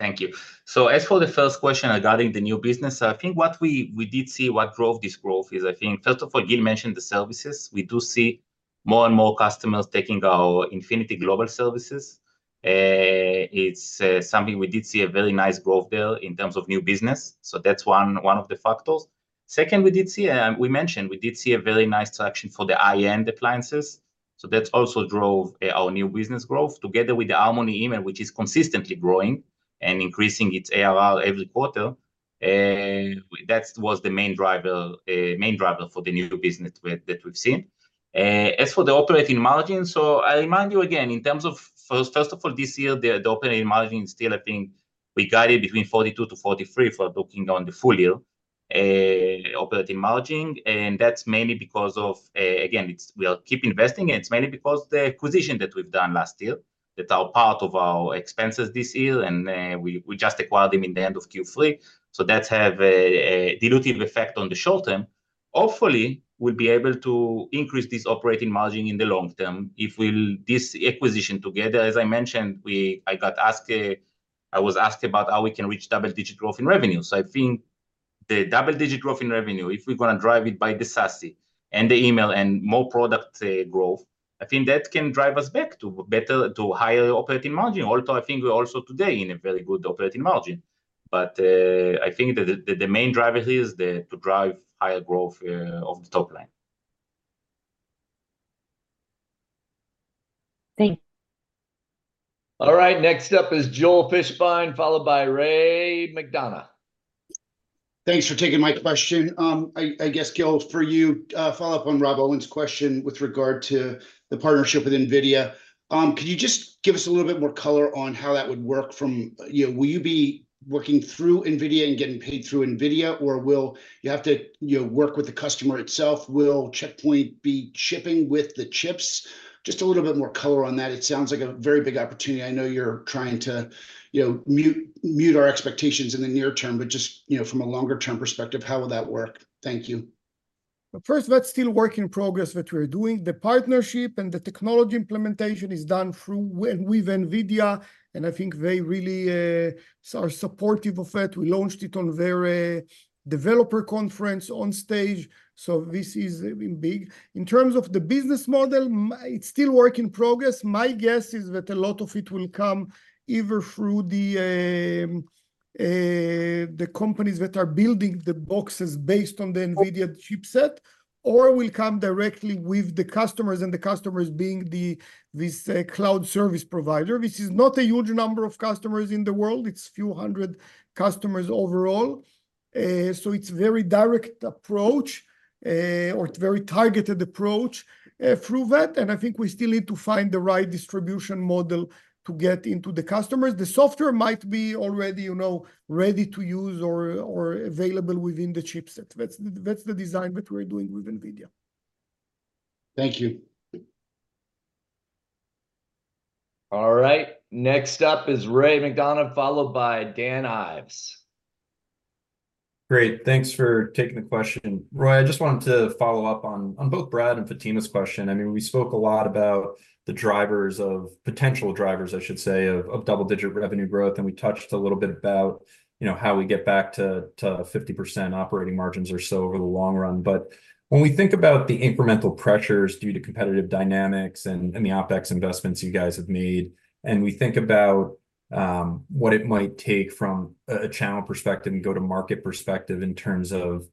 Thank you. So as for the first question regarding the new business, I think what we did see, what drove this growth is, I think, first of all, Gil mentioned the services. We do see more and more customers taking our Infinity Global Services. It's something we did see a very nice growth there in terms of new business. So that's one of the factors. Second, we mentioned we did see a very nice traction for the high-end appliances. So that also drove our new business growth together with the Harmony Email, which is consistently growing and increasing its ARR every quarter. That was the main driver for the new business that we've seen. As for the operating margin, so I remind you again, in terms of, first of all, this year, the operating margin is still, I think, we guided between 42%-43% for looking on the full year operating margin. And that's mainly because of, again, we are keep investing. And it's mainly because the acquisition that we've done last year that are part of our expenses this year. And we just acquired them in the end of Q3. So that's had a dilutive effect on the short term. Hopefully, we'll be able to increase this operating margin in the long term if this acquisition together, as I mentioned, I was asked about how we can reach double-digit growth in revenue. I think the double-digit growth in revenue, if we're going to drive it by the SASE and the email and more product growth, I think that can drive us back to higher operating margin. Although I think we're also today in a very good operating margin. I think that the main driver here is to drive higher growth of the top line. Thank you. All right. Next up is Joel Fishbein, followed by Ray McDonough. Thanks for taking my question. I guess, Gil, for you, follow up on Rob Owens's question with regard to the partnership with NVIDIA. Could you just give us a little bit more color on how that would work? From will you be working through NVIDIA and getting paid through NVIDIA? Or will you have to work with the customer itself? Will Check Point be shipping with the chips? Just a little bit more color on that. It sounds like a very big opportunity. I know you're trying to mute our expectations in the near term. Just from a longer-term perspective, how will that work? Thank you. Well, first, that's still a work in progress that we're doing. The partnership and the technology implementation is done through with NVIDIA. And I think they really are supportive of it. We launched it on their developer conference on stage. So this is big. In terms of the business model, it's still a work in progress. My guess is that a lot of it will come either through the companies that are building the boxes based on the NVIDIA chipset. Or it will come directly with the customers and the customers being this cloud service provider, which is not a huge number of customers in the world. It's a few hundred customers overall. So it's a very direct approach or a very targeted approach through that. And I think we still need to find the right distribution model to get into the customers. The software might be already ready to use or available within the chipset. That's the design that we're doing with NVIDIA. Thank you. All right. Next up is Ray McDonough, followed by Dan Ives. Great. Thanks for taking the question. Roei, I just wanted to follow up on both Brad and Fatima's question. I mean, we spoke a lot about the drivers of potential drivers, I should say, of double-digit revenue growth. And we touched a little bit about how we get back to 50% operating margins or so over the long run. But when we think about the incremental pressures due to competitive dynamics and the OpEx investments you guys have made, and we think about what it might take from a channel perspective and go to market perspective in terms of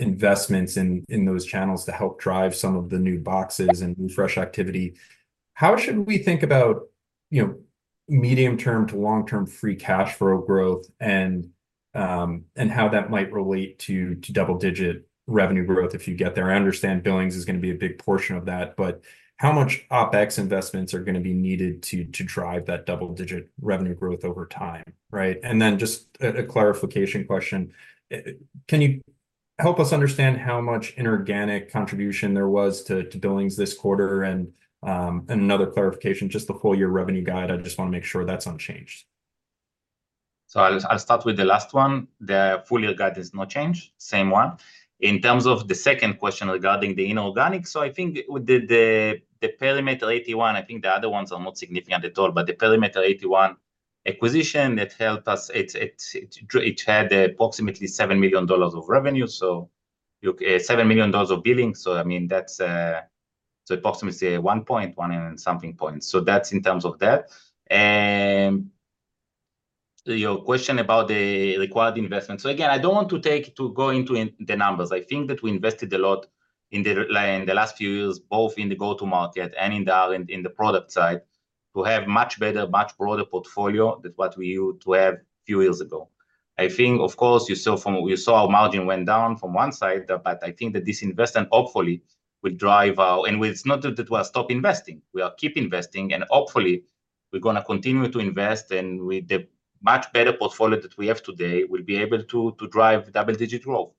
investments in those channels to help drive some of the new boxes and refresh activity, how should we think about medium-term to long-term free cash flow growth and how that might relate to double-digit revenue growth if you get there? I understand billings is going to be a big portion of that. But how much OpEx investments are going to be needed to drive that double-digit revenue growth over time, right? And then just a clarification question. Can you help us understand how much inorganic contribution there was to billings this quarter? And another clarification, just the full-year revenue guide. I just want to make sure that's unchanged. So I'll start with the last one. The full-year guide is not changed. Same one. In terms of the second question regarding the inorganic, so I think with the Perimeter 81, I think the other ones are not significant at all. But the Perimeter 81 acquisition that helped us, it had approximately $7 million of revenue, so $7 million of billing. So I mean, that's approximately 1.1 and something points. So that's in terms of that. Your question about the required investments. So again, I don't want to go into the numbers. I think that we invested a lot in the last few years, both in the go-to-market and in the product side, to have a much better, much broader portfolio than what we used to have a few years ago. I think, of course, you saw our margin went down from one side. But I think that this investment, hopefully, will drive our and it's not that we are stopping investing. We are keeping investing. And hopefully, we're going to continue to invest. And with the much better portfolio that we have today, we'll be able to drive double-digit growth.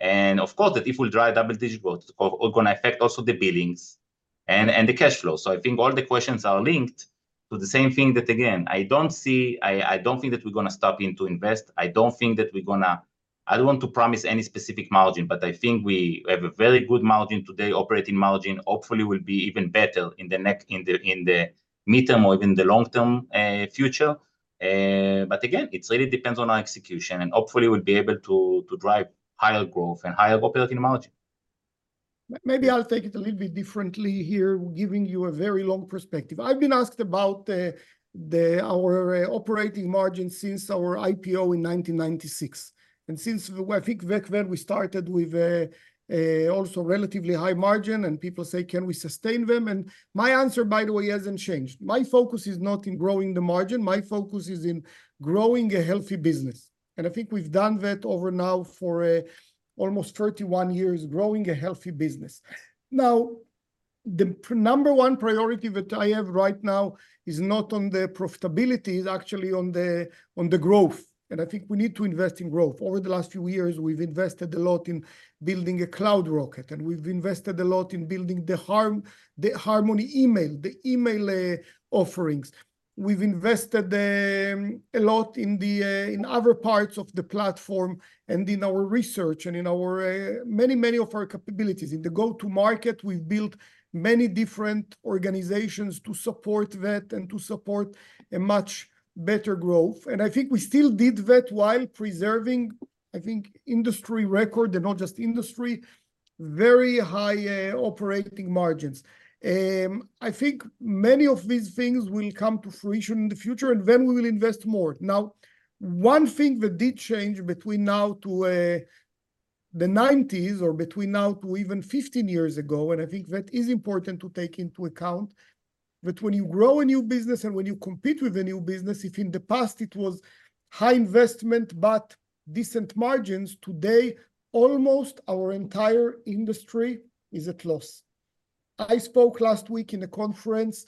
And of course, that if we drive double-digit growth, it's going to affect also the billings and the cash flow. So I think all the questions are linked to the same thing that, again, I don't see. I don't think that we're going to stop to invest. I don't think that we're going to—I don't want to promise any specific margin. But I think we have a very good margin today. Operating margin, hopefully, will be even better in the mid-term or even the long-term future. But again, it really depends on our execution. Hopefully, we'll be able to drive higher growth and higher operating margin. Maybe I'll take it a little bit differently here, giving you a very long perspective. I've been asked about our operating margin since our IPO in 1996. And since I think back then, we started with also a relatively high margin. And people say, "Can we sustain them?" And my answer, by the way, hasn't changed. My focus is not in growing the margin. My focus is in growing a healthy business. And I think we've done that over now for almost 31 years, growing a healthy business. Now, the number one priority that I have right now is not on the profitability. It's actually on the growth. And I think we need to invest in growth. Over the last few years, we've invested a lot in building a cloud rocket. And we've invested a lot in building the Harmony Email, the email offerings. We've invested a lot in other parts of the platform and in our research and in many, many of our capabilities. In the go-to-market, we've built many different organizations to support that and to support a much better growth. I think we still did that while preserving, I think, industry record and not just industry, very high operating margins. I think many of these things will come to fruition in the future. Then we will invest more. Now, one thing that did change between now to the 1990s or between now to even 15 years ago, and I think that is important to take into account, that when you grow a new business and when you compete with a new business, if in the past it was high investment but decent margins, today, almost our entire industry is at loss. I spoke last week in a conference,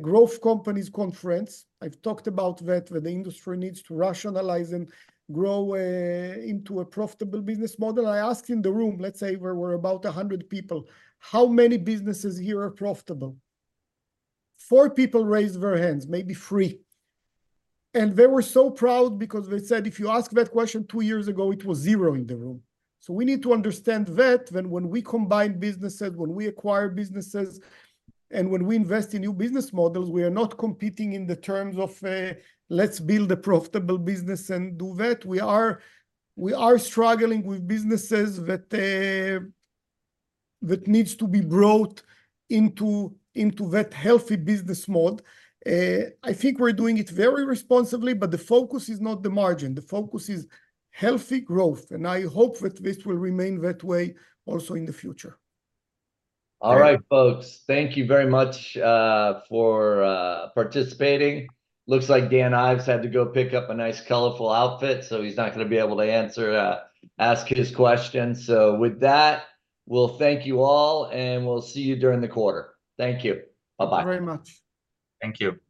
growth companies conference. I've talked about that, that the industry needs to rationalize and grow into a profitable business model. I asked in the room, let's say there were about 100 people, "How many businesses here are profitable?" Four people raised their hands, maybe three. They were so proud because they said, "If you ask that question two years ago, it was zero in the room." We need to understand that when we combine businesses, when we acquire businesses, and when we invest in new business models, we are not competing in the terms of, "Let's build a profitable business and do that." We are struggling with businesses that need to be brought into that healthy business mode. I think we're doing it very responsibly. The focus is not the margin. The focus is healthy growth. I hope that this will remain that way also in the future. All right, folks. Thank you very much for participating. Looks like Dan Ives had to go pick up a nice, colorful outfit. So he's not going to be able to ask his questions. So with that, we'll thank you all. And we'll see you during the quarter. Thank you. Bye-bye. Thank you. Very much. Thank you.